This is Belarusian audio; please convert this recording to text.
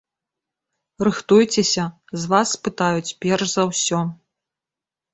Рыхтуйцеся, з вас спытаюць перш за ўсё.